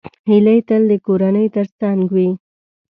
هیلۍ تل د کورنۍ تر څنګ وي